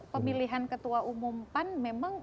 pemilihan ketua umum pan memang